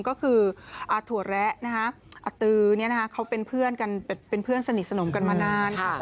ก็คืออาถั่วแระอตือเขาเป็นเพื่อนสนิทสนมกันมานานค่ะ